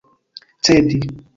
cedi